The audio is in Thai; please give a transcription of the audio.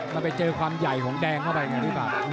แล้วไปเจอความใหญ่ของแดงเขาไปไหนนี่บ้าง